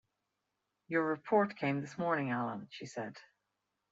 "Your report came this morning, Alan," she said.